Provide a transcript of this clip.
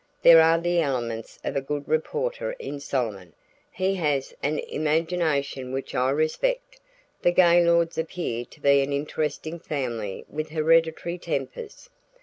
"There are the elements of a good reporter in Solomon; he has an imagination which I respect. The Gaylords appear to be an interesting family with hereditary tempers.